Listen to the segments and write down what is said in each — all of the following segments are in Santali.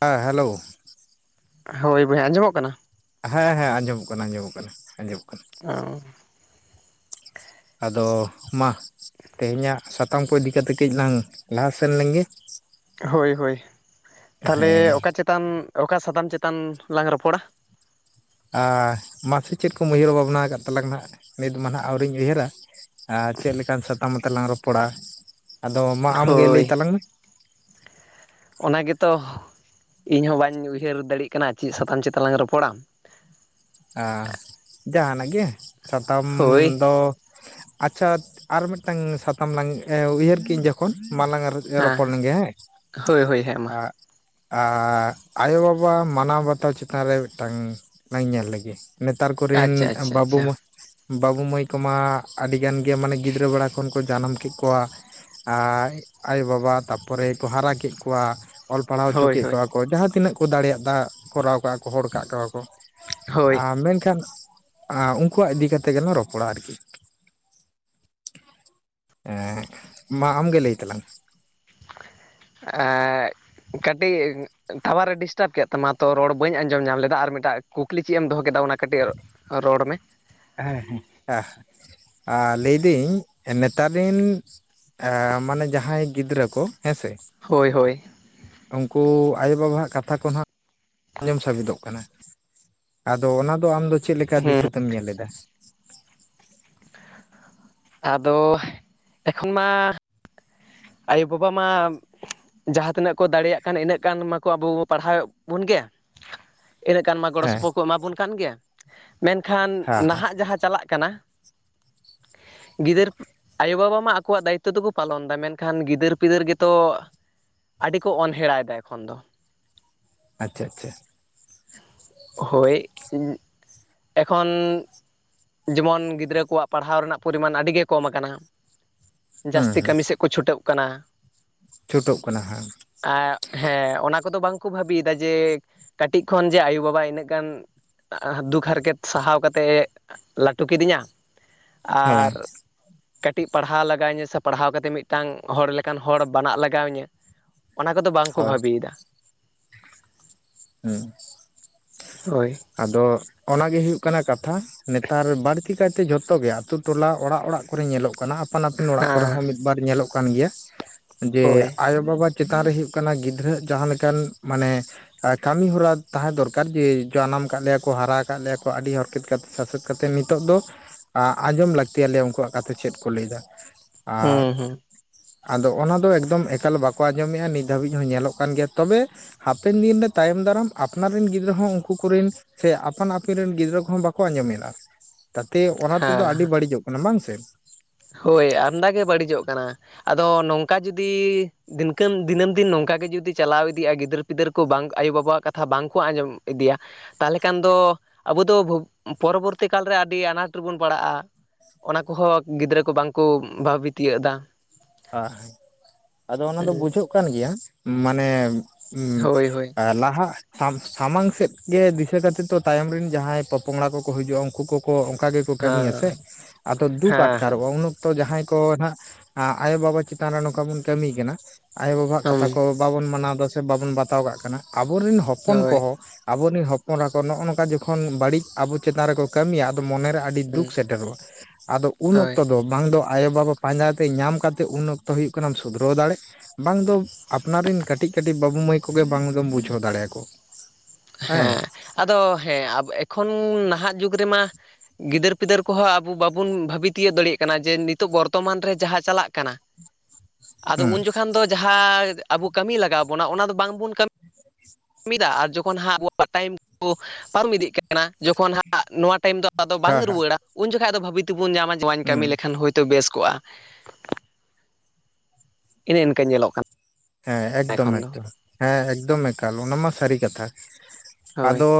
ᱦᱮᱸ ᱦᱮᱞᱳ ᱦᱳᱭ ᱵᱳᱭᱦᱟ ᱟᱸᱡᱚᱢᱚᱜ ᱠᱟᱱᱟ ᱦᱮᱸ ᱦᱮᱸ ᱟᱸᱡᱚᱢᱚᱜ ᱠᱟᱱᱟ ᱟᱸᱡᱚᱢᱚᱜ ᱠᱟᱱᱟ ᱟᱸᱡᱚᱢᱚᱜ ᱠᱟᱱᱟ ᱚ ᱟᱫᱚ ᱢᱟ ᱛᱮᱦᱮᱧᱟᱜ ᱥᱟᱛᱟᱢ ᱠᱚ ᱤᱫᱤ ᱠᱟᱛᱮ ᱠᱟᱹᱡ ᱞᱝ ᱞᱟᱦᱟ ᱥᱮᱱ ᱞᱮᱱᱜᱮ ᱦᱳᱭ ᱦᱳᱭ ᱛᱟᱦᱚᱞᱮ ᱦᱮᱸ ᱚᱠᱟ ᱪᱮᱛᱟᱱ ᱚᱠᱟ ᱥᱟᱛᱟᱢ ᱪᱮᱛᱟᱱ ᱞᱟᱝ ᱨᱚᱯᱚᱲᱟ ᱟᱨ ᱢᱟᱥᱮ ᱪᱮᱫ ᱠᱚ ᱩᱭᱦᱟᱹᱨ ᱵᱷᱟᱵᱽᱱᱟ ᱟᱠᱟᱫ ᱛᱟᱞᱟᱝ ᱦᱟᱸᱜ? ᱱᱤᱛ ᱢᱟ ᱱᱟᱸᱜ ᱟᱹᱣᱨᱤᱧ ᱩᱭᱦᱟᱹᱨᱟ ᱟᱨ ᱪᱮᱫ ᱞᱮᱠᱟᱱ ᱥᱟᱛᱟᱢ ᱟᱛᱮ ᱞᱟᱝ ᱨᱚᱯᱚᱲᱟ ᱟᱫᱚ? ᱢᱟ ᱟᱢᱜᱮ ᱞᱟᱹᱭ ᱦᱳᱭ ᱛᱟᱞᱟᱝ ᱢᱮ ᱚᱱᱟ ᱜᱮᱛᱚ ᱤᱧ ᱦᱚᱸ ᱵᱟᱹᱧ ᱩᱭᱦᱟᱹᱨ ᱫᱟᱲᱮᱜ ᱠᱟᱱᱟ ᱾ᱪᱮᱫ ᱥᱟᱛᱟᱢ ᱪᱮᱛᱟᱱ ᱞᱟᱝ ᱨᱚᱯᱚᱲᱟ? ᱦᱟᱻ ᱡᱟᱦᱟᱱᱟᱜ ᱜᱮ ᱥᱟᱛᱟᱢ ᱦᱳᱭ ᱫᱚ ᱟᱪᱷᱟ ᱟᱨ ᱢᱤᱫᱴᱟᱝ ᱥᱟᱛᱟᱢ ᱞᱟᱝ ᱩᱭᱦᱟᱹᱨ ᱠᱮᱫ ᱟᱹᱧ ᱡᱚᱠᱷᱚᱱ ᱢᱟᱞᱟᱝ ᱮ ᱦᱮᱸ ᱨᱚᱯᱚᱲᱞᱮᱱᱜᱮ ᱦᱮ ᱦᱳᱭ ᱦᱳᱭ ᱦᱮᱸ ᱢᱟ ᱮᱫ ᱟᱭᱳᱵᱟᱵᱟ ᱢᱟᱱᱟᱣ ᱵᱟᱛᱟᱣ ᱪᱮᱛᱟᱱ ᱨᱮ ᱢᱤᱫᱴᱟᱝ ᱞᱟᱝ ᱧᱮᱞ ᱞᱮᱜᱮ ᱱᱮᱛᱟᱨ ᱠᱚᱨᱮᱱ ᱟᱪᱪᱷᱟ ᱟᱪᱪᱷᱟ ᱵᱟᱹᱵᱩ ᱟᱪᱪᱷᱟ ᱢᱟ. ᱵᱟᱹᱵᱩ ᱢᱟᱹᱭ ᱠᱚᱢᱟ ᱟᱹᱰᱤᱜᱟᱱ ᱜᱮ ᱢᱟᱱᱮ ᱜᱤᱫᱽᱨᱟᱹ ᱵᱮᱲᱟ ᱠᱷᱚᱱ ᱠᱚ ᱡᱟᱱᱟᱢ ᱠᱮᱫ ᱠᱚᱣᱟ ᱟᱭᱳᱼᱵᱟᱵᱟ ᱛᱟᱨᱯᱚᱨᱮ ᱠᱚ ᱦᱟᱨᱟ ᱠᱮᱫ ᱠᱚᱣᱟ ᱚᱞ ᱯᱟᱲᱦᱟᱣ ᱦᱚᱪᱚ ᱦᱳᱭ ᱠᱮᱫ ᱦᱳᱭ ᱠᱚᱣᱟ ᱠᱚ ᱡᱟᱦᱟᱸ ᱛᱤᱱᱟᱹᱜ ᱠᱚ ᱫᱟᱲᱮᱭᱟᱜᱫᱟ ᱠᱚᱨᱟᱣ ᱠᱟᱜᱼᱟ ᱠᱚ ᱦᱚᱲ ᱠᱟᱜ ᱠᱚᱣᱟ ᱠᱚ ᱦᱳᱭ ᱟᱨ ᱢᱮᱱᱠᱷᱟᱱ ᱩᱱᱠᱩᱣᱟᱜ ᱤᱫᱤ ᱠᱟᱛᱮ ᱜᱮᱞᱟᱝ ᱨᱚᱯᱚᱲᱟ ᱟᱨᱠᱤ ᱦᱮᱸ ᱢᱟ ᱟᱢᱜᱮ ᱞᱟᱹᱭ ᱛᱟᱞᱟᱝ [unintelligible] ᱮᱫ ᱠᱟᱹᱴᱤᱡ ᱴᱟᱣᱟᱨᱮ ᱰᱤᱥᱴᱟᱵ ᱠᱮᱫ ᱛᱟᱢᱟ ᱛᱚ ᱨᱚᱲ ᱵᱟᱹᱧ ᱟᱸᱡᱚᱢ ᱧᱟᱢ ᱞᱮᱫᱟ ᱟᱨ ᱢᱤᱫᱴᱟᱝ ᱠᱩᱠᱞᱤ ᱪᱮᱫ ᱮᱢ ᱫᱚᱦᱚ ᱠᱮᱫᱟ ᱚᱱᱟ ᱠᱟᱹᱴᱤᱡ ᱨᱚᱲ ᱢᱮ ᱦᱮᱸ ᱦᱮᱸ ᱦᱮᱸ ᱞᱟᱹᱭᱫᱟᱹᱧ ᱱᱮᱛᱟᱨ ᱨᱤᱱ ᱢᱟᱱᱮ ᱡᱟᱦᱟᱸᱭ ᱜᱤᱫᱽᱨᱟᱹ ᱠᱚ ᱦᱮᱸ ᱥᱮ ᱦᱳᱭ ᱦᱳᱭ ᱩᱱᱠᱩ ᱟᱭᱳᱼᱵᱟᱵᱟᱣᱟᱜ ᱠᱟᱛᱷᱟ ᱠᱚ ᱱᱟᱦᱟᱜ ᱟᱡᱚᱢ ᱥᱟᱵᱤᱛᱚᱜ ᱠᱟᱱᱟ ᱟᱫᱚ ᱚᱱᱟ ᱫᱚ ᱟᱢᱫᱚ ᱪᱮᱫ ᱞᱮᱠᱟ ᱦᱮᱸ ᱫᱤᱥᱟᱹ ᱛᱮᱢ ᱧᱮᱞᱮᱫᱟ ᱟᱫᱚ ᱮᱠᱷᱚᱱ ᱢᱟ ᱟᱭᱳ ᱵᱟᱵᱟ ᱢᱟ ᱡᱟᱦᱟᱸ ᱛᱤᱱᱟᱹᱜ ᱠᱚ ᱫᱟᱲᱮᱭᱟᱜ ᱠᱟᱱ ᱤᱱᱟᱹᱜ ᱜᱟᱱ ᱢᱟᱠᱚ ᱟᱵᱚ ᱯᱟᱲᱦᱟᱣᱮᱫ ᱵᱚᱱ ᱜᱮ ᱤᱱᱟᱹᱜ ᱜᱟᱱ ᱢᱟ ᱜᱚᱲᱚ ᱦᱮᱸ ᱥᱚᱯᱚᱦᱚᱫ ᱠᱚ ᱮᱢᱟᱵᱚᱱ ᱠᱟᱱ ᱜᱮᱭᱟ ᱢᱮᱱᱠᱷᱟᱱ ᱦᱮᱸ ᱦᱮᱸ ᱱᱟᱦᱟᱜ ᱡᱟᱦᱟᱸ ᱪᱟᱞᱟᱜ ᱠᱟᱱᱟ ᱜᱤᱫᱟᱹᱨ ᱟᱭᱳᱼᱵᱟᱵᱟ ᱢᱟ ᱟᱠᱚᱣᱟᱜ ᱫᱟ. ᱭᱤᱛᱛᱚ ᱫᱚᱠᱚ ᱯᱟᱞᱚᱱᱫᱟ ᱢᱮᱱᱠᱷᱟᱱ ᱜᱤᱫᱟᱹᱨ ᱯᱤᱫᱟᱹᱨ ᱜᱮᱛᱚ ᱟᱹᱰᱤ ᱠᱚ ᱚᱱᱦᱮᱲᱟᱭᱮᱫᱟ ᱮᱠᱷᱚᱱ ᱫᱚ ᱟᱪᱪᱷᱟ ᱟᱪᱪᱷᱟ ᱦᱳᱭ ᱮᱠᱷᱚᱱ ᱡᱮᱢᱚᱱ ᱜᱤᱫᱽᱨᱟᱹ ᱠᱚᱣᱟᱜ ᱯᱟᱲᱦᱟᱣ ᱨᱮᱱᱟᱜ ᱯᱚᱨᱤᱢᱟᱱ ᱟᱹᱰᱤ ᱜᱮ ᱠᱚᱢ ᱠᱟᱱᱟ ᱦᱩᱸ ᱡᱟᱹᱥᱛᱤ ᱠᱟᱹᱢᱤ ᱥᱮᱫ ᱠᱚ ᱪᱷᱩᱴᱟᱹᱜ ᱠᱟᱱᱟ ᱪᱷᱩᱴᱚᱜ ᱠᱟᱱᱟ ᱦᱟ ᱮ ᱦᱮᱸ ᱚᱱᱟ ᱠᱚᱫᱚ ᱵᱟᱝ ᱠᱚ ᱵᱷᱟᱹᱵᱤᱭᱮᱫᱟ ᱡᱮ. ᱠᱟᱹᱴᱤᱡᱽ ᱠᱷᱚᱱ ᱡᱮ ᱟᱭᱳᱼ ᱵᱟᱵᱟ ᱤᱱᱟᱹᱜ ᱜᱟᱱᱼ- ᱫᱩᱠ ᱦᱟᱨ ᱠᱮᱛ ᱥᱟᱦᱟᱣ ᱠᱟᱛᱮᱫ ᱞᱟᱹᱴᱩ ᱠᱤᱫᱤᱧᱟ ᱟᱨ ᱦᱮᱸ ᱠᱟᱹᱴᱤᱡᱽ ᱯᱟᱲᱦᱟᱣ ᱞᱟᱜᱟᱣ ᱤᱧᱟᱹ ᱥᱮ ᱯᱟᱲᱦᱟᱣ ᱠᱟᱛᱮᱫ ᱢᱤᱫᱴᱟᱝ ᱦᱚᱲ ᱞᱮᱠᱟᱱ ᱦᱚᱲ ᱵᱮᱱᱟᱜ ᱞᱟᱜᱟᱣ ᱤᱧᱟᱹ ᱚᱱᱟ ᱠᱚᱫᱚ ᱵᱟᱝᱠᱚ ᱦᱳᱭ ᱵᱷᱟᱹᱵᱤᱭᱮᱫᱟ ᱦᱮᱸ ᱦᱳᱭ ᱟᱫᱚ ᱚᱱᱟ ᱜᱮ ᱦᱩᱭᱩᱜ ᱠᱟᱱᱟ ᱠᱟᱛᱷᱟ ᱱᱮᱛᱟᱨ ᱵᱟᱹᱲᱛᱤ ᱠᱟᱭᱛᱮ ᱡᱷᱚᱛᱚ ᱜᱮ ᱟᱹᱛᱩ ᱴᱚᱞᱟ ᱚᱲᱟᱜ ᱚᱲᱟᱜ ᱠᱚᱨᱮ ᱧᱮᱞᱚᱜ ᱠᱟᱱᱟ ᱟᱯᱟᱱ ᱟᱹᱯᱤᱱ ᱚᱲᱟᱜ ᱠᱚᱨᱮ ᱦᱮᱸ ᱦᱚᱸ ᱢᱤᱫ ᱵᱟᱨ ᱧᱮᱞᱚᱜ ᱠᱟᱱ ᱜᱮᱭᱟ ᱡᱮ ᱦᱳᱭ ᱟᱭ ᱳ ᱵᱟᱵᱟ ᱪᱮᱛᱟᱱ ᱨᱮ ᱦᱩᱭᱩᱜ ᱠᱟᱱᱟ ᱜᱤᱫᱽᱨᱟᱹ ᱡᱟᱦᱟᱸ ᱞᱮᱠᱟᱱ ᱢᱟᱱᱮ ᱟᱨ ᱠᱟᱹᱢᱤ ᱦᱚᱨᱟ ᱛᱟᱦᱮᱸ ᱫᱚᱨᱠᱟᱨ ᱡᱮ ᱡᱟᱱᱟᱢ ᱠᱟᱫ ᱞᱮᱭᱟ ᱠᱚ ᱦᱟᱨᱟ ᱟᱠᱟᱫ ᱞᱮᱭᱟ ᱠᱚ ᱟᱹᱰᱤ ᱦᱚᱨᱠᱮᱛ ᱠᱟᱛᱮ ᱥᱟᱥᱮᱛ ᱠᱟᱛᱮ ᱱᱤᱛᱚᱜ ᱫᱚ ᱟᱸᱡᱚᱢ ᱞᱟᱹᱠᱛᱤᱭᱟᱞᱮᱭᱟ ᱩᱱᱠᱩᱣᱟᱜ ᱠᱟᱛᱷᱟ ᱪᱮᱫ ᱠᱚ ᱞᱟᱹᱭᱫᱟ ᱟᱨ ᱦᱩᱸ ᱦᱩᱸ ᱟᱫᱚ ᱚᱱᱟᱫᱚ ᱮᱠᱫᱚᱢ ᱮᱠᱟᱞ ᱵᱟᱠᱚ ᱟᱸᱡᱚᱢᱮᱫᱼᱟ ᱱᱤᱛ ᱫᱷᱟᱹᱵᱤᱡᱽ ᱦᱚᱸ ᱧᱮᱞᱚᱜ ᱠᱟᱱ ᱜᱮᱭᱟ ᱛᱚᱵᱮ ᱦᱟᱯᱮᱱ ᱫᱤᱱ ᱨᱮ ᱛᱟᱭᱚᱢ ᱫᱟᱨᱟᱢ ᱟᱯᱱᱟᱨ ᱨᱮᱱ ᱜᱤᱫᱽᱨᱟᱹ ᱦᱚᱸ ᱩᱱᱠᱩ ᱟᱠᱚ ᱠᱚᱨᱮᱱ ᱥᱮ ᱟᱯᱟᱱ ᱟᱹᱯᱤᱱ ᱨᱮᱱ ᱜᱤᱫᱽᱨᱟᱹ ᱠᱚᱦᱚᱸ ᱵᱟᱠᱚ ᱟᱸᱡᱚᱢᱮᱫᱟ ᱛᱟᱛᱮ ᱚᱱᱟ ᱛᱮᱫᱚ ᱦᱮᱸ ᱟᱹᱰᱤ ᱵᱟᱹᱲᱤᱡᱚᱜ ᱠᱟᱱᱟ ᱠᱟᱱᱟ ᱵᱟᱝ ᱥᱮ ᱦᱳᱭ ᱟᱢᱫᱟ ᱜᱮ ᱵᱟᱹᱲᱤᱡᱚᱜ ᱠᱟᱱᱟ ᱟᱫᱚ ᱱᱚᱝᱠᱟ ᱡᱩᱫᱤ ᱫᱤᱱᱠᱟ. ᱢ ᱫᱤᱱᱟᱹᱢ ᱫᱤᱱ ᱱᱚᱝᱠᱟᱜ ᱜᱮ ᱡᱩᱫᱤ ᱪᱟᱞᱟᱣ ᱤᱫᱤᱜᱼᱟ ᱜᱤᱫᱟᱹᱨᱼ ᱯᱤᱫᱟᱹᱨ ᱠᱚ ᱵᱟᱝ ᱟᱭᱳᱼᱵᱟᱵᱟᱣᱟᱜ ᱠᱟᱛᱷᱟ ᱵᱟᱝᱠᱚ ᱟᱸᱡᱚᱢ ᱤᱫᱤᱭᱟ ᱛᱟᱦᱚᱞᱮ ᱠᱷᱟᱱ ᱫᱚ ᱟᱵᱚ ᱫᱚ ᱯᱚᱨᱚᱵᱚᱨᱛᱤ ᱠᱟᱞᱨᱮ ᱟᱹᱰᱤ ᱟᱱᱟᱴ ᱨᱮᱵᱚᱱ ᱯᱟᱲᱟᱜᱼᱟ ᱚᱱᱟ ᱠᱚᱦᱚᱸ ᱜᱤᱫᱽᱨᱟᱹ ᱠᱚ ᱵᱟᱝᱠᱚ ᱵᱷᱟᱵᱤ ᱛᱤᱭᱚᱜ ᱮᱫᱟ ᱟᱦ ᱟᱫᱚ ᱚᱱᱟ ᱫᱚ ᱵᱩᱡᱷᱟᱹᱜ ᱠᱟᱱ ᱜᱮᱭᱟ ᱢᱟᱱᱮ ᱦᱩᱸ ᱦᱳᱭ ᱦᱳᱭ ᱞᱟᱦᱟ ᱥᱟᱢᱟᱝ ᱥᱮᱫ ᱜᱮ ᱫᱤᱥᱟᱹ ᱠᱟᱛᱮ ᱛᱚ ᱛᱟᱭᱚᱢ ᱨᱮᱱ ᱡᱟᱦᱟᱸᱭ ᱯᱚᱯᱚᱝᱲᱟ ᱠᱚᱠᱚ ᱦᱤᱡᱩᱜᱼᱟ ᱩᱱᱠᱩ ᱠᱚ ᱠᱚ ᱚᱱᱠᱟ ᱜᱮᱠᱚ ᱠᱟᱹᱢᱤᱭᱟ ᱥᱮ ᱟᱫᱚ ᱫᱩᱠ ᱦᱮᱸ ᱟᱴᱠᱟᱨᱚᱜᱼᱟ ᱩᱱ ᱚᱠᱛᱚ ᱡᱟᱦᱟᱸᱭ ᱠᱚ ᱱᱟᱦᱟᱜ ᱟᱭᱳᱼᱵᱟᱵᱟ ᱪᱮᱛᱟᱱ ᱨᱮ ᱱᱚᱝᱠᱟ ᱵᱚᱱ ᱠᱟᱹᱢᱤ ᱠᱟᱱᱟ ᱟᱭᱳ ᱵᱟᱵᱟ ᱣᱟᱜ ᱠᱟᱛᱷᱟ ᱦᱮᱸ ᱠᱚ ᱵᱟᱵᱚᱱ ᱢᱟᱱᱟᱣ ᱫᱟ ᱥᱮ ᱵᱟᱵᱚᱱ ᱵᱟᱛᱟᱣ ᱠᱟᱜ ᱠᱟᱱᱟ ᱟᱵᱚᱨᱤᱱ ᱦᱚᱯᱚᱱ ᱦᱳᱭ ᱠᱚᱦᱚᱸ ᱟᱵᱚᱨᱮᱱ ᱦᱚᱯᱚᱱᱨᱟ ᱠᱚ ᱱᱚᱜᱼᱚ ᱱᱚᱝᱠᱟ ᱡᱚᱠᱷᱚᱱ ᱵᱟᱹᱲᱤᱡ ᱟᱵᱚ ᱪᱮᱛᱟᱱ ᱨᱮᱠᱚ ᱠᱟᱹᱢᱤᱭᱟ ᱟᱫᱚ ᱢᱚᱱᱮᱨᱮ ᱟᱹᱰᱤ ᱫᱩᱠ ᱥᱮᱴᱮᱨᱚᱜᱼᱟ ᱟᱫᱚ ᱩᱱ ᱦᱳᱭ ᱚᱠᱛᱚ ᱫᱚ ᱵᱟᱝ ᱫᱚ ᱟᱭᱳᱼᱵᱟᱵᱟ ᱯᱟᱸᱡᱟ ᱛᱮ ᱧᱟᱢ ᱠᱟᱛᱮ ᱩᱱ ᱚᱠᱛᱚ ᱦᱩᱭᱩᱜ ᱠᱟᱱᱟᱢ ᱥᱩᱫᱷᱩᱨᱟᱣ ᱫᱟᱲᱮᱜ ᱵᱟᱝ ᱫᱚ ᱟᱯᱱᱟᱨ ᱨᱮᱱ ᱠᱟᱹᱴᱤᱡ ᱠᱟᱹᱴᱤᱡ ᱵᱟᱹᱵᱩ ᱢᱟᱹᱭ ᱠᱚᱜᱮ ᱵᱟᱝ ᱫᱚᱢ ᱵᱩᱡᱷᱟᱹᱣ ᱫᱟᱲᱮᱭᱟᱠᱚ ᱦᱮᱸ ᱟᱫᱚ ᱦᱮᱸ ᱮᱠᱷᱚᱱ ᱱᱟᱦᱟᱜ ᱡᱩᱜᱽ ᱨᱮᱢᱟ ᱜᱤᱫᱟᱹᱨ ᱯᱤᱫᱟᱹᱨ ᱠᱚᱦᱚᱸ ᱟᱵᱚ ᱵᱟᱵᱩᱱ ᱵᱷᱷᱟᱵᱤ ᱛᱤᱭᱟᱹᱜ ᱫᱟᱲᱮᱭᱟᱜ ᱠᱟᱱᱟ ᱡᱮ ᱱᱤᱛᱚᱜ ᱵᱚᱨᱛᱚᱢᱟᱱ ᱨᱮ ᱡᱟᱦᱟᱸ ᱪᱟᱞᱟᱜ ᱠᱟᱱᱟ [inaudible] ᱟᱫᱚ ᱦᱩᱸ ᱩᱱ ᱡᱚᱠᱷᱚᱱ ᱠᱷᱟᱱ ᱫᱚ ᱡᱟᱦᱟ ᱟᱵᱚ ᱠᱟᱹᱢᱤ ᱞᱟᱜᱟᱣ ᱵᱚᱱᱟ ᱚᱱᱟ ᱫᱚ ᱵᱟᱝ ᱵᱚᱱ [inaudible] ᱢᱤᱫᱟ ᱟᱨ ᱡᱚᱠ [unintelligible] ᱯᱟᱨᱚᱢ ᱤᱫᱤᱜ ᱠᱟᱱᱟ ᱡᱚᱠᱷᱚᱱ ᱦᱟᱸᱜ ᱱᱚᱣᱟ ᱴᱟᱭᱤᱢ ᱫᱚ ᱟᱫᱚ ᱦᱮᱸ ᱵᱟᱝ ᱦᱮᱸ ᱨᱩᱣᱟᱹᱲᱟ ᱩᱱ ᱡᱚᱠᱷᱟᱜ ᱟᱫᱚ ᱵᱷᱟᱹᱵᱤ ᱛᱮᱵᱚᱱ ᱧᱟᱢᱟ ᱱᱳᱣᱟᱧ ᱦᱩᱸ ᱠᱟᱹᱢᱤ ᱞᱮᱠᱷᱟᱱ ᱦᱳᱭᱛᱳ ᱵᱮᱥ ᱠᱚᱜᱼᱟ ᱤᱱᱟᱹ ᱤᱱᱝ ᱠᱟᱹ ᱧᱮᱞᱚᱜ ᱠᱟᱱᱟ ᱦᱮᱸ ᱮᱠᱫᱚᱢ ᱮᱠᱷᱚᱱ ᱫᱚ ᱮᱠᱫᱚᱢ ᱦᱮᱸ ᱮᱠᱫᱚᱢ ᱮᱠᱟᱞ ᱚᱱᱟ ᱢᱟ ᱥᱟᱹᱨᱤ ᱠᱟᱛᱷᱟ ᱦᱳᱭ ᱟᱫᱚ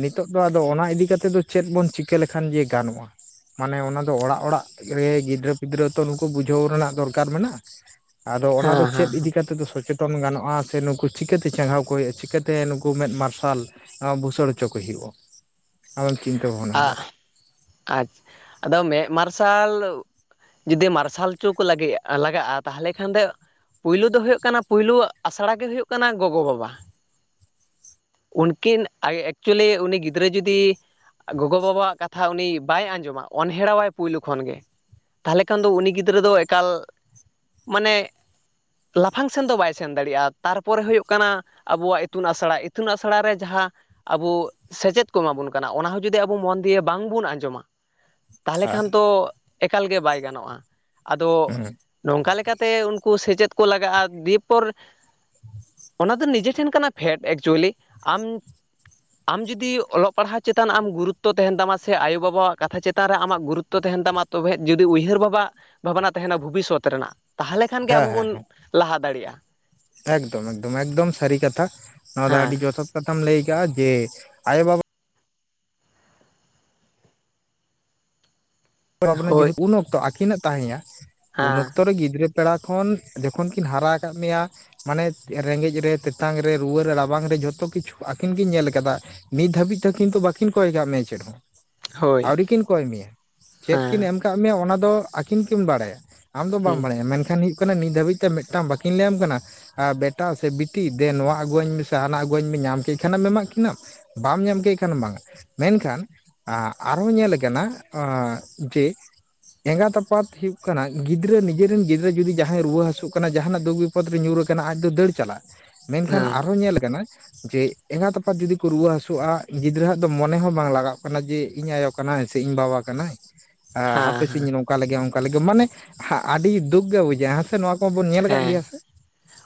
ᱱᱤᱛᱚᱜ ᱫᱚ ᱟᱫᱚ ᱚᱱᱟ ᱤᱫᱤ ᱠᱟᱛᱮ ᱫᱚ ᱪᱮᱫ ᱵᱚᱱ ᱪᱤᱠᱟᱹ ᱞᱮᱠᱷᱟᱱ ᱜᱮ ᱜᱟᱱᱚᱜᱼᱟ? ᱢᱟᱱᱮ ᱚᱱᱟ ᱫᱚ ᱚᱲᱟᱜ ᱚᱲᱟᱜ ᱨᱮ ᱜᱤᱫᱽᱨᱟᱹ ᱯᱤᱫᱽᱨᱟᱹ ᱛᱚ ᱱᱩᱠᱩ ᱵᱩᱡᱷᱟᱹᱣ ᱨᱮᱱᱟᱜ ᱫᱚᱨᱠᱟᱨ ᱢᱮᱱᱟᱜᱼᱟ ᱟᱫᱚ ᱚᱱᱟ ᱫᱚ ᱦᱮᱸ ᱦᱮᱸ ᱪᱤᱠᱟᱹ ᱛᱮᱫᱚ ᱥᱚᱪᱮᱛᱚᱱ ᱜᱟᱱᱚᱜᱼᱟ ᱥᱮ ᱱᱩᱠᱩ ᱪᱤᱠᱟᱹᱛᱮ ᱪᱟᱸᱜᱟᱣ ᱠᱚ ᱦᱩᱭᱩᱜᱼᱟ? ᱪᱤᱠᱟᱹᱛᱮ ᱱᱩᱠᱩ ᱢᱮᱫ ᱢᱟᱨᱥᱟᱞ? ᱟ ᱵᱩᱥᱟᱹᱲ ᱦᱚᱪᱚ ᱠᱚ ᱦᱩᱭᱩᱜᱼᱟ ᱟᱢᱮᱢ ᱪᱤᱱᱛᱟᱹ ᱵᱷᱟᱵᱱᱟᱭᱮᱫᱟ ᱟᱡ ᱟᱫᱚ ᱢᱮᱫ ᱢᱟᱨᱥᱟᱞ ᱡᱩᱫᱤ ᱢᱟᱨᱥᱟᱞ ᱪᱚ ᱠᱚ ᱞᱟᱹᱜᱤᱫ ᱞᱟᱜᱟᱜᱼᱟ ᱛᱟᱦᱚᱞᱮ ᱠᱷᱟᱱ ᱫᱚ ᱯᱩᱭᱞᱩ ᱫᱚ ᱦᱩᱭᱩᱜ ᱠᱟᱱᱟ ᱯᱩᱭᱞᱩ ᱟᱥᱲᱟ ᱜᱮ ᱦᱩᱭᱩᱜ ᱠᱟᱱᱟ ᱜᱚᱜᱚ ᱵᱟᱵᱟ ᱩᱱᱠᱤᱱ ᱟᱡ ᱮᱠᱪᱩᱭᱮᱞᱤ ᱩᱱᱤ ᱜᱤᱫᱽᱨᱟᱹ ᱡᱩᱫᱤ ᱜᱚᱜᱚᱼᱣᱟᱜ ᱠᱟᱛᱷᱟ ᱩᱱᱤ ᱵᱟᱭ ᱟᱸᱡᱚᱢᱟ ᱚᱱᱦᱮᱲᱟᱣᱟᱭ ᱯᱩᱭᱞᱩ ᱠᱷᱚᱱ ᱜᱮ ᱛᱟᱦᱞᱮ ᱠᱷᱟᱱ ᱫᱚ ᱩᱱᱤ ᱜᱤᱫᱽᱨᱟᱹ ᱫᱚ ᱮᱠᱟᱞ ᱢᱟᱱᱮ ᱞᱟᱯᱷᱟᱝ ᱥᱮᱱ ᱫᱚ ᱵᱟᱭ ᱥᱮᱱ ᱫᱟᱲᱮᱭᱟᱜᱼᱟ ᱛᱟᱨᱯᱚᱨᱮ ᱦᱩᱭᱩᱜ ᱠᱟᱱᱟ ᱟᱵᱚᱣᱟᱜ ᱤᱛᱩᱱ ᱟᱥᱲᱟ ᱤᱛᱩᱱ ᱟᱥᱲᱟ ᱨᱮ ᱡᱟᱦᱟ ᱟᱵᱚ ᱥᱮᱪᱮᱫ ᱠᱚ ᱮᱢᱟ ᱵᱚᱱ ᱠᱟᱱᱟ ᱚᱱᱟ ᱦᱚ ᱡᱩᱫᱤ ᱟᱵᱚ ᱢᱚᱱ ᱫᱤᱭᱮ ᱵᱟᱝ ᱵᱚᱱ ᱟᱸᱡᱚᱢᱟ ᱛᱟᱦᱞᱮ ᱦᱩᱸ ᱠᱷᱟᱱ ᱫᱚ ᱮᱠᱟᱞᱜᱮ ᱵᱟᱭ ᱜᱟᱱᱚᱜᱼᱟ ᱟᱫᱚ ᱦᱮᱸ ᱱᱚᱝᱠᱟ ᱞᱮᱠᱟᱛᱮ ᱩᱱᱠᱩ ᱥᱮᱪᱮᱫ ᱠᱚ ᱞᱟᱜᱟᱜᱼᱟ ᱫᱤᱭᱮ ᱯᱚᱨ ᱚᱱᱟ ᱫᱚ ᱱᱤᱡᱮ ᱴᱷᱮᱱ ᱠᱟᱱᱟ ᱯᱷᱮᱰ ᱮᱠᱪᱩᱭᱟᱹᱞᱤ ᱟᱢ ᱟᱢ ᱡᱩᱫᱤ ᱚᱞᱚᱜ ᱯᱟᱲᱦᱟᱜ ᱪᱮᱛᱟᱱ ᱟᱢ ᱜᱩᱨᱩᱛᱛᱚ ᱛᱟᱦᱮᱸᱱ ᱛᱟᱢᱟ ᱥᱮ ᱟᱭᱳ ᱵᱟᱵᱟᱼᱣᱟᱜ ᱠᱟᱛᱷᱟ ᱪᱮᱛᱟᱱ ᱨᱮ ᱟᱢᱟᱜ ᱜᱩᱨᱩᱛᱛᱚ ᱛᱟᱦᱮᱸᱱ ᱛᱟᱢᱟ ᱛᱚᱵᱮ ᱡᱩᱫᱤ ᱩᱭᱦᱟᱹᱨ ᱵᱷᱟᱵᱟᱜ ᱵᱷᱟᱵᱱᱟ ᱛᱟᱦᱮᱸᱱᱟ ᱵᱷᱩᱵᱤᱥᱥᱚᱛ ᱨᱮᱱᱟᱜ ᱛᱟᱦᱞᱮ ᱠᱷᱟᱱ ᱜᱮ ᱟᱵᱚ ᱵᱚᱱ ᱞᱟᱦᱟ ᱫᱟᱲᱮᱭᱟᱜᱼᱟ ᱮᱜᱽᱫᱚᱢ ᱮᱜᱽᱫᱚᱢ ᱮᱠᱫᱚᱢ ᱥᱟᱹᱨᱤ ᱠᱟᱛᱷᱟ ᱱᱚᱶᱟ ᱫᱚ ᱦᱮᱸ ᱟᱹᱰᱤ ᱡᱚᱛᱷᱟᱛ ᱠᱟᱛᱷᱟᱢ ᱞᱟᱹᱭ ᱠᱟᱜᱼᱟ ᱡᱮ ᱟᱭᱳ ᱵᱟᱵᱟ [unintelligible] ᱦᱳᱭ ᱡᱮᱦᱩ ᱩᱱ ᱚᱠᱛᱚ ᱟᱹᱠᱤᱱᱟᱜ ᱛᱟᱦᱮᱸᱭᱟ ᱩᱱ ᱦᱮᱸ ᱚᱠᱛᱚ ᱨᱮ ᱜᱤᱫᱽᱨᱟᱹ ᱯᱮᱲᱟ ᱠᱷᱚᱱ ᱡᱚᱠᱷᱚᱱ ᱠᱤᱱ ᱦᱟᱨᱟ ᱟᱠᱟᱫ ᱢᱮᱧᱟ ᱢᱟᱱᱮ ᱨᱮᱸᱜᱮᱡ ᱨᱮ ᱛᱮᱛᱟᱝ ᱨᱮ ᱨᱩᱣᱟᱹ ᱨᱮ ᱨᱟᱵᱟᱝ ᱨᱮ ᱡᱷᱚᱛᱚ ᱠᱤᱪᱷᱩ ᱟᱹᱠᱤᱱ ᱠᱤᱱ ᱧᱮᱞ ᱠᱟᱫᱟ ᱱᱤᱛ ᱫᱷᱟᱹᱵᱤᱡ ᱛᱮ ᱠᱤᱱᱛᱩ ᱵᱟᱹᱠᱤᱱ ᱠᱚᱭ ᱠᱟᱜ ᱢᱮᱭᱟ᱾ ᱪᱮᱫ ᱦᱚᱸ? ᱦᱳᱭ ᱟᱹᱣᱨᱤ ᱠᱤᱱ ᱠᱚᱭ ᱢᱮᱭᱟ ᱪᱮᱫ ᱠᱤᱱ ᱦᱮᱸ ᱮᱢ ᱠᱟᱜ ᱢᱮᱭᱟ ᱚᱱᱟ ᱫᱚ ᱟᱹᱠᱤᱱ ᱠᱤᱱ ᱵᱟᱲᱟᱭᱟ? ᱟᱢ ᱫᱚ ᱵᱟᱢ ᱦᱮᱸ ᱵᱟᱲᱟᱭᱟ ᱢᱮᱱᱠᱷᱟᱱ ᱦᱩᱭᱩᱜ ᱠᱟᱱᱟ ᱱᱤᱛ ᱫᱷᱟᱹᱵᱤᱡ ᱛᱮ ᱢᱤᱫ ᱴᱟᱝ ᱵᱟᱠᱤᱱ ᱞᱟᱹᱭᱟᱢ ᱠᱟᱱᱟ ᱟᱨ ᱵᱮᱴᱟ ᱥᱮ ᱵᱤᱴᱤ ᱫᱮ ᱱᱚᱶᱟ ᱟᱹᱜᱩᱟᱹᱧ ᱢᱮᱥᱮ ᱦᱟᱱᱟ ᱟᱹᱜᱩᱣᱟᱹᱧ ᱢᱮ ᱧᱟᱢ ᱠᱮᱫ ᱠᱷᱟᱱᱮᱢ ᱮᱢᱟᱜ ᱠᱤᱱᱟ. ᱢ ᱵᱟᱢ ᱧᱟᱢ ᱠᱮᱫ ᱠᱷᱟᱱ ᱵᱟᱝᱼᱟ ᱢᱮᱱᱠᱷᱟᱱ ᱟᱨ ᱦᱚᱸ ᱧᱮᱞ ᱠᱟᱱᱟ ᱟᱧᱻ ᱡᱮ ᱮᱸᱜᱟᱛ ᱟᱯᱟᱛ ᱦᱩᱭᱩᱜ ᱠᱟᱱᱟ ᱜᱤᱫᱽᱨᱟᱹ ᱱᱤᱡᱮᱨᱤᱱ ᱜᱤᱫᱽᱨᱟᱹ ᱡᱩᱫᱤ ᱡᱟᱦᱟᱸᱭ ᱨᱩᱣᱟᱹ ᱦᱟᱹᱥᱩᱜ ᱠᱟᱱᱟ ᱡᱟᱦᱟᱸᱱᱟᱜ ᱫᱩᱠᱷ ᱜᱤ ᱯᱚᱫ ᱨᱮ ᱧᱩᱨ ᱠᱟᱱᱟ ᱟᱡ ᱫᱚ ᱫᱟᱹᱲ ᱪᱟᱞᱟᱜ ᱢᱮᱱᱠᱷᱟᱱ ᱦᱮᱸ ᱟᱨᱦᱚᱸ ᱧᱮᱞ ᱠᱟᱱᱟ ᱡᱮ ᱮᱸᱜᱟᱛ ᱟᱯᱟᱛ ᱡᱩᱫᱤ ᱠᱚ ᱨᱩᱣᱟᱹ ᱦᱟᱹᱥᱩᱜᱼᱟ ᱜᱤᱫᱽᱨᱟᱹ ᱦᱟᱜ ᱫᱚ ᱢᱚᱱᱮ ᱦᱚᱸ ᱵᱟᱝ ᱞᱟᱜᱟᱜ ᱠᱟᱱᱟ ᱡᱮ ᱤᱧ ᱟᱭᱳ ᱠᱟᱱᱟᱭ ᱥᱮ ᱤᱧ ᱵᱟᱵᱟ [unintelligible] ᱟ ᱦᱟᱯᱮᱥᱤᱧ ᱦᱮᱸ ᱱᱚᱝᱠᱟ ᱞᱮᱜᱮ ᱚᱝᱠᱟ ᱞᱮᱜᱮ ᱢᱟᱱᱮ ᱟᱹᱰᱤ ᱫᱩᱠ ᱜᱮ ᱵᱩᱡᱷᱟᱹᱜᱼᱟ ᱦᱮᱸᱥᱮ ᱱᱚᱣᱟ ᱠᱚᱵᱚᱱ ᱧᱮᱞ ᱟᱠᱟᱫ ᱦᱮᱸ ᱜᱮᱭᱟ ᱥᱮ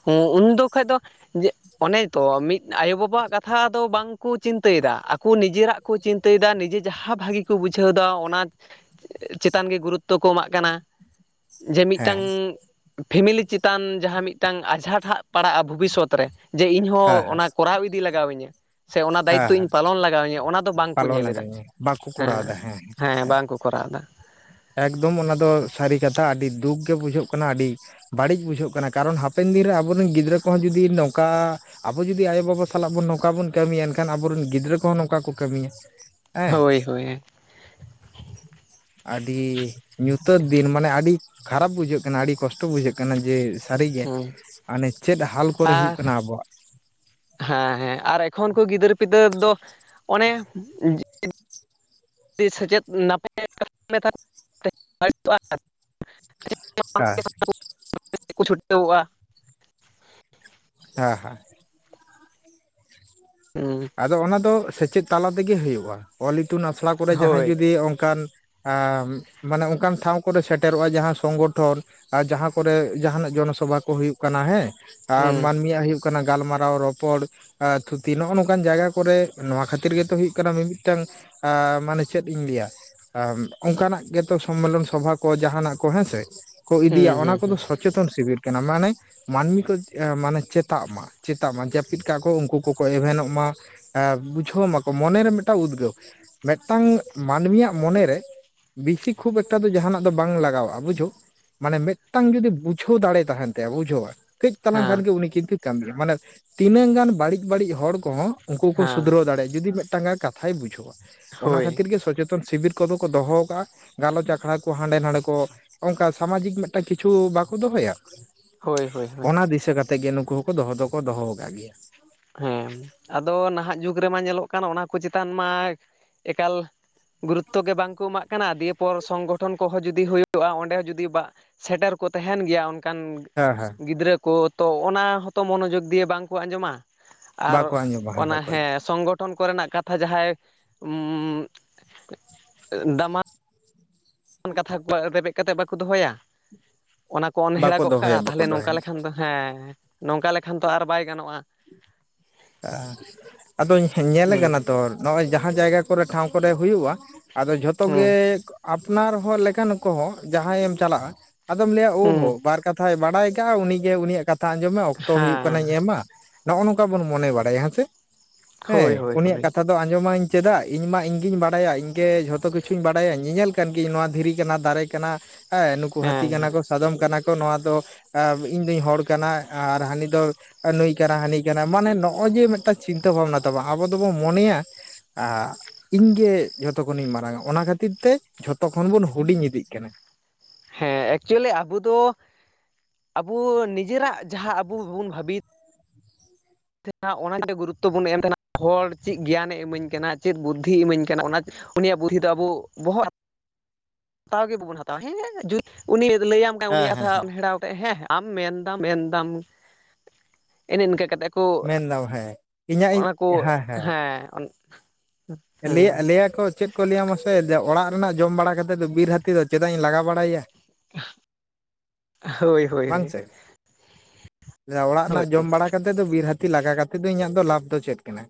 ᱦᱮᱸ ᱩᱱᱫᱚ ᱠᱷᱚᱡ ᱫᱚ ᱡᱮ ᱚᱱᱮ ᱛᱚ ᱢᱤᱫ ᱟᱭᱳ ᱵᱟᱵᱟᱣᱟᱜ ᱠᱟᱛᱷᱟ ᱫᱚ ᱵᱟᱝ ᱠᱚ ᱪᱤᱱᱛᱟᱹᱭᱮᱫᱟ ᱟᱠᱚ ᱱᱤᱡᱮᱨᱟᱜ ᱠᱚ ᱪᱤᱱᱛᱟᱹᱭᱮᱫᱟ ᱱᱤᱡᱮ ᱡᱟᱦᱟ ᱵᱷᱟᱜᱤ ᱠᱚ ᱵᱩᱡᱷᱟᱹᱣ ᱫᱟ ᱚᱱᱟ ᱪᱮᱛᱟᱱ ᱜᱮ ᱜᱩᱨᱩᱛᱩᱣ ᱠᱚ ᱮᱢᱟᱜ ᱠᱟᱱᱟ ᱡᱮ ᱢᱤᱫ ᱦᱮᱸ ᱴᱟᱝ ᱯᱷᱮᱢᱤᱞᱤ ᱪᱮᱛᱟᱱ ᱡᱟᱦᱟ ᱢᱤᱫ ᱢᱤᱫ ᱴᱟᱝ ᱟᱡᱷᱟᱴ ᱦᱟᱜ ᱯᱟᱲᱟᱜᱼᱟ ᱵᱷᱩᱵᱤᱥᱥᱚᱛ ᱨᱮ ᱡᱮ ᱤᱧ ᱦᱮᱸ ᱦᱚᱸ ᱦᱮᱸ ᱚᱱᱟ ᱠᱚᱨᱟᱣ ᱤᱫᱤ ᱞᱟᱜᱟᱣ ᱣᱤᱧᱟᱹ ᱥᱮ ᱚᱱᱟ ᱦᱮᱸ ᱫᱟᱭᱤᱛᱩᱣ ᱤᱧ ᱦᱮᱸ ᱯᱟᱞᱚᱱ ᱞᱟᱜᱟᱣ ᱣᱤᱧᱟᱹ ᱚᱱᱟ ᱫᱚ ᱵᱟᱝ ᱠᱚ ᱯᱟᱞᱚᱱ ᱧᱮᱞ ᱮᱫᱟ ᱟᱠᱟᱫ ᱜᱮᱭᱟ ᱵᱟᱠᱚ ᱦᱮᱸ ᱠᱚᱨᱟᱣ ᱮᱫᱟ ᱦᱮᱸ ᱵᱟᱝ ᱠᱚ ᱠᱚᱨᱟᱣᱮᱱᱟ ᱮᱜᱽᱫᱚᱢ ᱚᱱᱟ ᱫᱚ ᱥᱟᱹᱨᱤ ᱠᱟᱛᱷᱟ ᱟᱹᱰᱤ ᱫᱩᱠ ᱜᱮ ᱵᱩᱡᱷᱟᱹᱜ ᱠᱟᱱᱟ ᱟᱹᱰᱤ ᱵᱟᱲᱤᱡ ᱵᱩᱡᱷᱟᱹᱜ ᱠᱟᱱᱟ ᱠᱟᱨᱚᱱ ᱦᱟᱯᱮᱱ ᱫᱤᱱᱨᱮ ᱟᱵᱚᱨᱤᱱ ᱜᱤᱫᱽᱨᱟᱹ ᱠᱚᱦᱚᱸ ᱡᱩᱫᱤ ᱱᱚᱝᱠᱟ ᱟᱵᱚ ᱡᱩᱫᱤ ᱟᱭᱳ ᱵᱟᱵᱟ ᱥᱟᱞᱟᱜ ᱵᱚ ᱱᱚᱝᱠᱟ ᱵᱚᱱ ᱠᱟᱹᱢᱤᱭᱟ ᱮᱱᱠᱷᱟᱱ ᱟᱵᱚᱨᱤᱱ ᱜᱤᱫᱽᱨᱟᱹ ᱠᱚᱦᱚᱸ ᱱᱚᱝᱠᱟ ᱠᱚ ᱠᱟᱹᱢᱤᱭᱟ ᱦᱮᱸ ᱦᱳᱭ ᱦᱳᱭ ᱟᱹᱰᱤ ᱧᱩᱛᱟᱹᱛ ᱫᱤᱱ ᱢᱟᱱᱮ ᱟᱹᱰᱤ ᱠᱷᱟᱨᱟᱯ ᱵᱩᱡᱷᱟᱹᱜ ᱠᱟᱱᱟ ᱟᱹᱰᱤ ᱠᱚᱥᱴᱚ ᱵᱩᱡᱷᱟᱹᱜ ᱠᱟᱱᱟ ᱡᱮ ᱥᱟᱹᱨᱤᱜᱮ ᱦᱟᱱᱮ ᱪᱮᱫ ᱦᱟᱞ ᱠᱚᱨᱮ ᱦᱩᱭᱩᱜ ᱟᱨ ᱠᱟᱱᱟ ᱟᱵᱚᱣᱟᱜ ᱦᱮᱸ ᱦᱮᱸ ᱟᱨ ᱮᱠᱷᱚᱱ ᱠᱚ ᱜᱤᱫᱟᱹᱨ ᱯᱤᱫᱟᱹᱨ ᱫᱚ ᱚᱱᱮ ᱥᱮᱪᱮᱫ ᱱᱟᱯᱟᱭ ᱦᱮᱸ [unintelligible] [unintelligible] ᱪᱷᱩᱴᱟᱹᱣᱚᱜᱼᱟ ᱦᱮᱸ ᱦᱮᱸ ᱦᱩᱸ ᱟᱫᱚ ᱚᱱᱟ ᱫᱚ ᱥᱮᱪᱮᱫ ᱛᱟᱞᱟ ᱛᱮᱜᱮ ᱦᱩᱭᱩᱜᱼᱟ ᱚᱞ ᱤᱛᱩᱱ ᱟᱥᱲᱟ ᱠᱚᱨᱮ ᱡᱟᱦᱟᱸᱭ ᱦᱳᱭ ᱡᱩᱫᱤ ᱚᱱᱠᱟᱱ ᱢᱟᱱᱮ ᱚᱱᱠᱟᱱ ᱴᱷᱟᱶ ᱠᱚᱨᱮ ᱥᱮᱴᱮᱨᱚᱜᱼᱟᱭ ᱡᱟᱦᱟᱸ ᱥᱚᱝᱜᱚᱴᱷᱚᱱ ᱟᱨ ᱡᱟᱦᱟᱸ ᱠᱚᱨᱮ ᱡᱟᱦᱟᱱᱟᱜ ᱡᱚᱱᱚᱥᱚᱵᱷᱟ ᱠᱚ ᱦᱩᱭᱩᱜ ᱠᱟᱱᱟ ᱦᱮᱸ ᱦᱩᱸ ᱢᱟᱹᱱᱢᱤᱭᱟᱜ ᱦᱩᱭᱩᱜ ᱠᱟᱱᱟ ᱜᱟᱞᱢᱟᱨᱟᱣ ᱨᱚᱯᱚᱲ ᱛᱷᱩᱛᱤ ᱱᱚᱜᱼᱚ ᱱᱚᱝᱠᱟ [inaudible] ᱚᱱᱠᱟᱱ ᱡᱟᱭᱜᱟ ᱠᱚᱨᱮ ᱱᱚᱶᱟ ᱠᱷᱟᱹᱛᱤᱨ ᱜᱮᱛᱚ ᱦᱩᱭᱩᱜ ᱠᱟᱱᱟ ᱢᱤᱼᱢᱤᱫ ᱴᱟᱝ ᱢᱟᱱᱮ ᱪᱮᱫ ᱤᱧ ᱞᱟᱹᱭᱟ ᱚᱱᱠᱟᱱᱟᱜ ᱜᱮᱛᱚ ᱥᱚᱢᱮᱞᱚᱱ ᱥᱚᱵᱷᱟ ᱠᱚ ᱡᱟᱦᱟᱱᱟᱜ ᱠᱚ ᱦᱮᱸᱥᱮ ᱠᱚ ᱦᱩᱸ ᱤᱫᱤᱭᱟ ᱚᱱᱟ ᱦᱩᱸ ᱠᱚᱫᱚ ᱦᱩᱸ ᱥᱚᱪᱮᱛᱚᱱ ᱥᱤᱵᱤᱨ ᱠᱟᱱᱟ ᱢᱟᱱᱮ ᱢᱟᱹᱱᱢᱤ ᱠᱚ ᱢᱟᱱᱮ ᱪᱮᱛᱟᱜ ᱢᱟ ᱪᱮᱛᱟᱜ ᱢᱟ ᱡᱟᱹᱯᱤᱫ ᱠᱟᱜᱼᱟ ᱠᱚ ᱩᱱᱠᱩ ᱠᱚ ᱠᱚ ᱮᱵᱷᱮᱱᱚᱜ ᱢᱟ ᱢᱟ ᱮ ᱵᱩᱡᱷᱟᱹᱣ ᱢᱟᱠᱚ ᱢᱚᱱᱮᱨᱮ ᱢᱤᱫᱴᱟᱝ ᱩᱫᱽᱜᱟᱹᱣ ᱢᱤᱫ ᱴᱟᱝ ᱢᱟᱹᱱᱢᱤᱭᱟᱜ ᱢᱚᱱᱮ ᱨᱮ ᱵᱮᱥᱤ ᱠᱷᱩᱵ ᱮᱠᱴᱟ ᱫᱚ ᱡᱟᱦᱱᱟᱜ ᱫᱚ ᱵᱟᱝ ᱞᱟᱜᱟᱣᱚᱜᱼᱟ ᱵᱩᱡᱷᱟᱹᱣ ᱢᱟᱱᱮ ᱢᱤᱫ ᱴᱟᱝ ᱡᱩᱫᱤ ᱵᱩᱡᱷᱟᱹᱣ ᱫᱟᱲᱮ ᱛᱟᱦᱮᱱ ᱛᱟᱭᱟ ᱵᱩᱡᱷᱟᱹᱣᱟᱭ ᱠᱟᱹᱡ ᱛᱟᱞᱟᱝ ᱠᱷᱟᱱ ᱦᱮᱸ ᱜᱮ ᱩᱱᱤ [unintelligible] ᱢᱟᱱᱮ ᱛᱤᱱᱟᱹᱜ ᱜᱟᱱ ᱵᱟᱹᱲᱤᱡ ᱵᱟᱹᱲᱤᱡ ᱦᱚᱲ ᱠᱚᱦᱚᱸ ᱩᱱᱠᱩ ᱠᱚ ᱦᱮᱸ ᱥᱩᱫᱷᱨᱟᱹᱣ ᱫᱟᱲᱮᱭᱟᱜᱼᱟ, ᱡᱩᱫᱤ ᱢᱤᱫᱴᱟᱝ ᱜᱟᱱ ᱠᱟᱛᱷᱟᱭ ᱵᱩᱡᱷᱟᱹᱣᱟ᱾ ᱚᱱᱟ ᱦᱳᱭ ᱠᱷᱟᱹᱤᱨ ᱜᱮ [unintelligible] ᱡᱚᱛᱚᱱ ᱥᱤᱵᱤᱨ ᱠᱚᱫᱚ ᱠᱚ ᱫᱚᱦᱚᱣ ᱠᱟᱜᱼᱟ ᱜᱟᱞᱚᱪ ᱟᱠᱷᱲᱟ ᱠᱚ ᱦᱟᱸᱰᱮ ᱱᱟᱰᱮ ᱠᱚ ᱚᱱᱠᱟ ᱥᱟᱢᱟᱡᱤᱠ ᱢᱤᱫᱴᱟᱝ ᱠᱤᱪᱷᱩ ᱵᱟᱠᱚ ᱫᱚᱦᱚᱭᱟ᱾ ᱦᱳᱭ ᱦᱳᱭ ᱦᱳᱭ ᱚᱱᱟ ᱫᱤᱥᱟᱹ ᱠᱟᱛᱮ ᱜᱮ ᱱᱩᱠᱩ ᱦᱚᱸᱠᱚ ᱫᱚᱦᱚ ᱫᱚᱠᱚ ᱫᱚᱦᱚ ᱟᱠᱟᱟᱜ ᱜᱮᱭᱟ᱾ ᱦᱮᱸ᱾ ᱟᱫᱚ ᱱᱟᱦᱟᱜ ᱡᱩᱜᱽ ᱨᱮᱢᱟ ᱧᱮᱞᱚᱜ ᱠᱟᱱ ᱚᱱᱟ ᱠᱚ ᱪᱮᱛᱟᱱ ᱢᱟ ᱮᱠᱟᱞ ᱜᱩᱨᱩᱛᱛᱚ ᱜᱮ ᱵᱟᱝᱠᱚ ᱮᱢᱟᱜ ᱠᱟᱱᱟ ᱫᱤᱭᱮ ᱯᱚᱨ ᱥᱚᱝᱜᱚᱴᱷᱚᱱ ᱠᱚᱦᱚᱸ ᱡᱩᱫᱤ ᱦᱩᱭᱩᱜᱼᱟ ᱚᱸᱰᱮ ᱦᱚᱸ ᱡᱩᱫᱤ ᱥᱮᱴᱮᱨ ᱠᱚ ᱛᱟᱦᱮᱱ ᱜᱮᱭᱟ ᱚᱱᱠᱟᱱ ᱦᱮᱸ ᱦᱮᱸ ᱜᱤᱫᱽᱨᱟᱹ ᱠᱚ ᱛᱚ ᱚᱱᱟ ᱦᱚᱸᱛᱚ ᱢᱚᱱᱚᱡᱳᱜᱽ ᱫᱤᱭᱮ ᱵᱟᱝᱠᱚ ᱟᱸᱡᱚᱢᱟ ᱟᱨ ᱵᱟᱠᱚ ᱟᱸᱡᱚᱢᱟ ᱚᱱᱟ ᱵᱟᱠᱚ ᱟᱸᱡᱚᱢᱟ ᱦᱮᱸ ᱥᱚᱝᱜᱚ ᱜᱚᱴᱚᱱ ᱠᱚᱨᱮᱱᱟᱜ ᱠᱟᱛᱷᱟ ᱡᱟᱦᱟᱸᱭ ᱩᱸᱻ ᱮ ᱫᱟᱢᱟᱱ ᱠᱟᱛᱷᱟ ᱠᱚᱣᱟᱜ ᱨᱮᱵᱮᱫ ᱠᱟᱛᱮᱫ ᱵᱟᱠᱚ ᱫᱚᱦᱚᱭᱟ? ᱚᱱᱟ ᱠᱚ ᱵᱟᱠᱚ ᱚᱱᱦᱮᱟᱜᱚᱜ ᱠᱟᱜᱼᱟ ᱫᱚᱦᱚᱭᱟ ᱵᱟᱠᱚ ᱛᱟᱦᱞᱮ ᱫᱚᱦᱚᱭᱟ ᱱᱚᱝᱠᱟ ᱞᱮᱠᱷᱟᱱ ᱫᱚ ᱦᱮᱸ᱾ ᱱᱚᱝᱠᱟ ᱞᱮᱠᱷᱟᱱ ᱛᱚ ᱟᱨ ᱵᱟᱭ ᱜᱟᱱᱚᱜᱼᱟ᱾ ᱟᱫᱚᱧ ᱧᱮᱞᱮᱜ ᱦᱩᱸ ᱠᱟᱱᱟ ᱛᱚ ᱱᱚᱜᱼᱚᱭ ᱡᱟᱦᱟᱸ ᱡᱟᱭᱜᱟ ᱠᱚᱨᱮ ᱴᱷᱟᱶ ᱠᱚᱨᱮ ᱦᱩᱭᱩᱜᱼᱟ᱾ ᱟᱫᱚ ᱡᱷᱚᱛᱚ ᱜᱮ ᱦᱩᱸ ᱟᱯᱱᱟᱨ ᱦᱚᱲ ᱞᱮᱠᱟᱱ ᱠᱚᱦᱚᱸ ᱡᱟᱦᱟᱸᱭ ᱮᱢ ᱪᱟᱞᱟᱜᱼᱟ᱾ ᱟᱫᱚᱢ ᱞᱟᱹᱭᱟ ᱦᱩᱸ ᱚᱦᱳ ᱵᱟᱨ ᱠᱟᱛᱷᱟᱭ ᱵᱟᱰᱟᱭ ᱠᱟᱜᱼᱟ ᱩᱱᱤᱜᱮ ᱩᱱᱤᱭᱟᱜ ᱠᱟᱛᱷᱟ ᱟᱸᱡᱚᱢ ᱢᱮ ᱚᱠᱛᱚ ᱦᱩᱭᱩᱜ ᱦᱮᱸ ᱠᱟᱱᱟᱧ ᱮᱢᱟ᱾ ᱱᱚᱜ-ᱚ ᱱᱚᱝᱠᱟ ᱵᱚᱱ ᱢᱚᱱᱮ ᱵᱟᱲᱟᱭᱟ ᱦᱮᱸᱪᱮ᱾ ᱦᱳᱭ ᱦᱮᱸ ᱦᱳᱭ ᱩᱱᱤᱭᱟᱜ ᱦᱳᱭ ᱠᱟᱛᱷᱟ ᱟᱸᱡᱚᱢᱟᱹᱧ ᱪᱮᱫᱟᱜ? ᱤᱧ ᱢᱟ ᱤᱧᱜᱤᱧ ᱵᱟᱲᱟᱭᱟ᱾ ᱤᱧ ᱜᱮ ᱡᱷᱚᱛᱚ ᱠᱤᱪᱷᱩᱧ ᱵᱟᱲᱟᱭᱟ᱾ ᱧᱮᱧᱮᱞ ᱠᱟᱱ ᱜᱤᱭᱟᱹᱧ ᱱᱚᱣᱟ ᱫᱷᱤᱨᱤ ᱠᱟᱱᱟ ᱫᱟᱨᱮ ᱠᱟᱱᱟ ᱦᱮ ᱱᱩᱠᱩ ᱦᱟᱹᱛᱤ ᱦᱮᱸ ᱠᱟᱱᱟ ᱠᱚ᱾ ᱥᱟᱫᱚᱢ ᱠᱟᱱᱟ ᱠᱚ, ᱱᱚᱣᱟ ᱫᱚ ᱟ, ᱤᱧ ᱫᱩᱧ ᱦᱚᱲ ᱠᱟᱱᱟ ᱟᱨ ᱦᱟᱹᱱᱤ ᱫᱚ ᱱᱩᱭ ᱠᱟᱱᱟ ᱦᱟᱹᱱᱤ ᱠᱟ ᱢᱟᱱᱮ ᱱᱚᱜᱼᱚᱭ ᱡᱮ ᱢᱤᱫᱴᱟᱝ ᱪᱤᱱᱛᱟᱹ ᱵᱷᱟᱵᱽᱱᱟ ᱛᱟᱵᱚ ᱟᱵᱚ ᱫᱚᱵᱚᱱ ᱢᱚᱱᱮᱭᱟ ᱟ ᱤᱧ ᱜᱮ ᱡᱷᱚᱛᱚ ᱠᱷᱚᱱᱤᱧ ᱢᱟᱨᱟᱝ-ᱟ᱾ ᱚᱱᱟ ᱠᱷᱟᱹᱛᱤᱨ ᱛᱮ ᱡᱷᱚᱛᱚ ᱠᱷᱚᱱ ᱵᱚᱱ ᱦᱩᱰᱤᱧ ᱤᱫᱤᱜ ᱠᱟᱱᱟ᱾ ᱦᱮᱸ ᱮᱠᱪᱩᱞᱤ ᱟᱵᱚ ᱫᱚ ᱟᱵᱚ ᱱᱤᱡᱮᱨᱟᱜ ᱡᱟᱦᱟᱸ ᱟᱹᱵᱩ ᱵᱚᱱ ᱵᱷᱟᱵᱤᱛ [unintelligible] ᱚᱱᱟᱛᱮ ᱜᱩᱨᱩᱛᱚ ᱵᱚᱱ ᱮᱢ ᱛᱟᱦᱮᱱᱟ ᱦᱚᱲ ᱪᱮᱫ ᱜᱮᱭᱟᱱ ᱮ ᱤᱢᱟᱹᱧ ᱠᱟᱱᱟ ᱪᱮᱫ ᱵᱩᱫᱽᱫᱷᱤ ᱤᱢᱟᱹᱧ ᱠᱟᱱᱟ᱾ ᱚᱱᱟ ᱩᱱᱤᱭᱟᱜ ᱵᱩᱫᱷᱤ ᱫᱚ ᱟᱵᱚ ᱵᱚᱦᱚᱜ ᱦᱟᱛᱟᱣ ᱜᱮ ᱵᱟᱵᱚᱱ ᱦᱟᱛᱟᱣᱟ ᱦᱮᱸ᱾ [unintelligible] ᱩᱱᱤ ᱡᱩᱫᱤ ᱞᱟᱹᱭᱟᱢ ᱠᱟᱱ ᱦᱮᱸ ᱩᱱᱤᱭᱟᱜ ᱦᱮᱸ ᱠᱟᱛᱷᱟ ᱦᱮᱸ ᱚᱱᱦᱮᱲᱟᱣ ᱠᱟᱛᱮ ᱦᱮᱸ ᱦᱮᱸ ᱟᱢ ᱢᱮᱱᱫᱟᱢ ᱢᱮᱱᱫᱟᱢ᱾ ᱮᱱ ᱤᱱᱠᱟᱹ ᱠᱟᱛᱮᱜ ᱠᱚ, ᱢᱮᱱᱫᱟᱢ ᱦᱮᱸ ᱤᱧᱟᱹᱜ ᱤᱧ ᱚᱱᱟ ᱠᱚ ᱦᱮᱸ ᱦᱮᱸ ᱟᱞᱮᱭᱟᱜ ᱟᱞᱮᱭᱟᱜ ᱠᱚ ᱪᱮᱫ ᱠᱚ ᱞᱟᱹᱭᱟ ᱢᱟᱥᱮ᱾ ᱚᱲᱟᱜ ᱨᱮᱱᱟᱜ ᱡᱚᱢ ᱵᱟᱲᱟ ᱠᱟᱛᱮᱫ ᱫᱚ ᱵᱤᱨ ᱦᱟᱹᱛᱤ ᱫᱚ ᱪᱮᱫᱟᱜ ᱤᱧ ᱞᱟᱜᱟ ᱵᱟᱲᱟᱭᱮᱟ᱾ ᱦᱳᱭ ᱦᱳᱭ ᱦᱳᱭ ᱵᱟᱝ ᱥᱮ᱾ ᱚᱲᱟᱜ ᱦᱳᱭ ᱨᱮᱱᱟᱜ ᱡᱚᱢ ᱵᱟᱲᱟ ᱠᱟᱛᱮᱫ ᱫᱚ ᱵᱤᱨ ᱦᱟᱹᱛᱤ ᱞᱟᱜᱟ ᱠᱟᱛᱮᱫ ᱫᱚ ᱤᱧᱟᱹᱜ ᱫᱚ ᱞᱟᱵᱽ ᱫᱚ ᱪᱮᱫ ᱠᱟᱱᱟ?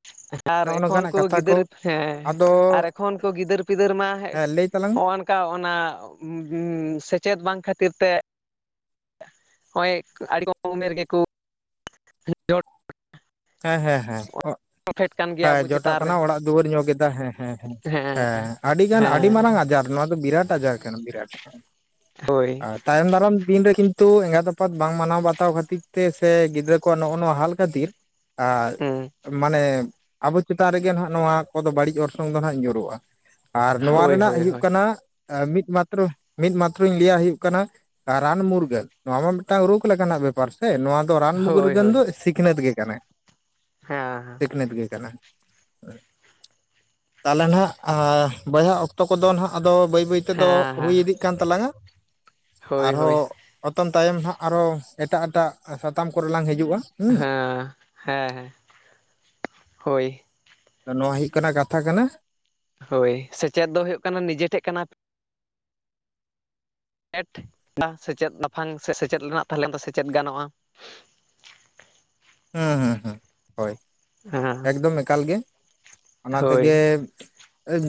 [unintelligible] ᱟᱨ ᱱᱚᱜᱼᱚ ᱮᱠᱷᱚᱱ ᱱᱚᱝᱠᱟᱱᱟᱜ ᱠᱚ ᱠᱟᱛᱷᱟ ᱜᱤᱫᱟᱹᱨ ᱦᱮᱸ, ᱟᱫᱚ ᱟᱨ ᱮᱠᱷᱚᱱ ᱠᱚ ᱜᱤᱫᱟᱹᱨ ᱯᱤᱫᱟᱹᱨ ᱢᱟ ᱦᱮᱸ ᱞᱟᱹᱭ ᱛᱟᱞᱟᱝ ᱢᱮ [unintelligible] ᱚᱱᱠᱟ ᱚᱱᱟ ᱩᱸᱻᱦᱩᱸ ᱥᱮᱪᱮᱫ ᱵᱟᱝ ᱠᱷᱟᱹᱛᱤᱨ ᱛᱮ᱾ ᱦᱳᱭ ᱟᱹᱰᱤ ᱠᱚᱢ ᱩᱢᱮᱨ ᱜᱮᱠᱚ ᱡᱚᱴ ᱦᱮᱸ ᱦᱮᱸ ᱦᱮᱸ᱾ ᱯᱷᱮᱰ ᱠᱟᱱ ᱮ ᱜᱮᱭᱟ ᱟᱵᱚ ᱡᱚᱴᱟᱜ ᱪᱮᱛᱟᱱ ᱠᱟᱱᱟ ᱨᱮ ᱚᱲᱟᱜ ᱫᱩᱣᱟᱹᱨ ᱧᱚᱜ ᱠᱮᱫᱟ ᱦᱮᱸ ᱦᱮᱸ ᱦᱮᱸ᱾ ᱦᱮᱸ᱾ ᱟᱹᱰᱤ ᱜᱟᱱ ᱟᱹᱰᱤ ᱦᱮᱸ ᱢᱟᱨᱟᱝ ᱟᱡᱟᱨ ᱱᱚᱣᱟ ᱫᱚ ᱵᱤᱨᱟᱴ ᱟᱡᱟᱨ ᱵᱤᱨᱟᱴ᱾ ᱦᱳᱭ᱾ ᱟᱨ ᱛᱟᱭᱚᱢ ᱫᱟᱨᱟᱢ ᱫᱤᱱ ᱨᱮ ᱠᱤᱱᱛᱩ ᱮᱸᱜᱟᱛ ᱟᱯᱟᱛ ᱵᱟᱝ ᱢᱟᱱᱟᱣ ᱵᱟᱛᱟᱣ ᱠᱷᱟᱹᱛᱤᱨ ᱛᱮ ᱥᱮ ᱜᱤᱫᱽᱨᱟᱹ ᱠᱚᱣᱟᱜ ᱱᱚᱜ-ᱚ ᱱᱚᱣᱟ ᱦᱟᱞ ᱠᱷᱟᱹᱛᱤᱨ ᱟᱨ ᱦᱩᱸ ᱢᱟᱱᱮ ᱟᱵᱚ ᱪᱮᱛᱟᱱ ᱨᱮᱜᱮ ᱱᱷᱟᱜ ᱱᱚᱣᱟ ᱠᱚᱫᱚ ᱵᱟᱹᱲᱤᱡ ᱚᱨᱥᱚᱝ ᱫᱚ ᱱᱷᱟᱜ ᱧᱩᱨᱩᱜ-ᱟ᱾ ᱟᱨ ᱱᱚᱣᱟ ᱦᱳᱭ ᱨᱮᱱᱟᱜ ᱦᱳᱭ ᱦᱩᱭᱩᱜ ᱦᱳᱭ ᱠᱟᱱᱟ, ᱢᱤᱫ ᱢᱟᱛᱨᱚ ᱢᱤᱫ ᱢᱟᱛᱨᱚᱧ ᱞᱟᱹᱭᱟ, ᱦᱩᱭᱩᱜ ᱠᱟᱱᱟ ᱨᱟᱱ ᱢᱩᱨᱜᱟᱹᱱ ᱱᱚᱣᱟ ᱢᱟ ᱢᱤᱫᱴᱟᱝ ᱨᱚᱜᱽ ᱞᱮᱠᱟᱱᱟᱜ ᱵᱮᱯᱟᱨ ᱥᱮ? ᱱᱚᱣᱟ ᱛᱚ ᱨᱟᱱ ᱦᱳᱭ ᱢᱩᱜᱩᱨᱜᱟᱹᱱ ᱫᱚ ᱥᱤᱠᱷᱱᱟᱹᱛ ᱜᱮ ᱠᱟᱱᱟ᱾ ᱦᱟᱸ᱾ ᱥᱤᱠᱷᱱᱟᱹᱛ ᱜᱮ ᱠᱟᱱᱟ᱾ ᱛᱟᱦᱞᱮ ᱱᱷᱟᱜ ᱟ ᱵᱚᱭᱦᱟ ᱚᱠᱛᱚ ᱠᱚᱫᱚ ᱱᱷᱟᱜ ᱟᱫᱚ ᱵᱟᱹᱭ ᱵᱟᱹᱭ ᱛᱮᱫᱚ ᱦᱮᱸ ᱦᱩᱭ ᱦᱮᱸ ᱤᱫᱤᱜ ᱠᱟᱱ ᱛᱟᱞᱟᱝᱟ ᱦᱳᱭ ᱦᱳᱭ ᱟᱨᱦᱚᱸ ᱚᱛᱚᱢ ᱛᱟᱭᱚᱢ ᱦᱟᱸᱜ ᱟᱨᱚ ᱮᱴᱟᱜ ᱮᱴᱟᱜ ᱥᱟᱛᱟᱢ ᱠᱚᱨᱮ ᱞᱟᱝ ᱦᱤᱡᱩᱜ-ᱟ ᱦᱮᱸ ᱦᱮᱸ ᱦᱮᱸ ᱦᱳᱭ ᱚ ᱱᱚᱣᱟ ᱦᱩᱭᱩᱜ ᱠᱟᱱᱟ ᱠᱟᱛᱷᱟ ᱠᱟᱱᱟ ᱦᱳᱭ ᱥᱮᱪᱮᱫ ᱫᱚ ᱦᱳᱭ ᱠᱟᱱᱟ ᱱᱤᱡᱮᱴᱷᱮᱡ ᱠᱟᱱᱟ ᱮᱰ ᱥᱮᱪᱮᱫ ᱞᱟᱯᱷᱟᱝ ᱥᱮ ᱥᱮᱪᱮᱫ ᱨᱮᱱᱟᱜ ᱛᱟᱦᱞᱮᱱ ᱫᱚ ᱥᱮᱪᱮᱫ ᱜᱟᱱᱚᱜ-ᱟ ᱦᱮᱸ ᱦᱮᱸ ᱦᱚᱸ ᱦᱳᱭ ᱦᱮᱸ ᱮᱠᱫᱚᱢ ᱮᱠᱟᱞ ᱜᱮ ᱚᱱᱟ ᱦᱳᱭ ᱛᱮᱜᱮ᱾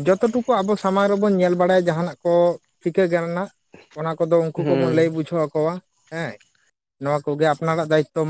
ᱡᱚᱛᱚ ᱴᱩᱠᱩ ᱟᱵᱚ ᱥᱟᱢᱟᱝ ᱨᱮᱵᱚᱱ ᱧᱮᱞ ᱵᱟᱲᱟᱭᱟ ᱡᱟᱦᱟᱱᱟᱜ ᱠᱚ ᱪᱤᱠᱟᱹ ᱜᱟᱱ ᱮᱱᱟ? ᱚᱱᱟ ᱠᱚᱫᱚ ᱩᱱᱠᱩ ᱠᱚᱵᱚᱱ ᱦᱩᱸ ᱞᱟᱹᱭ ᱵᱩᱡᱷᱟᱹᱣ ᱟᱠᱚᱣᱟ ᱦᱮᱸ᱾ ᱱᱚᱣᱟ ᱠᱚᱜᱮ ᱟᱯᱱᱟᱨᱟᱜ ᱫᱟᱭᱤᱛᱚ [unintelligible]